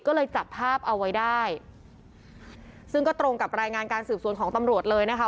ก็เลยจับภาพเอาไว้ได้ซึ่งก็ตรงกับรายงานการสืบสวนของตำรวจเลยนะคะ